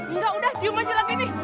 enggak udah cium aja lagi nih